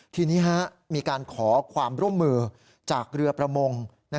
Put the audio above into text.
ทีนี้มีการขอความร่วมมือจากเรือประมง